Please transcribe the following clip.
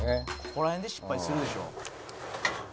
「ここら辺で失敗するでしょ」